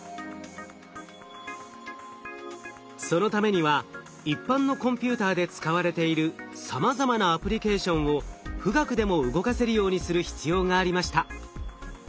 そのためには一般のコンピューターで使われているさまざまなアプリケーションを富岳でも動かせるようにする必要がありました。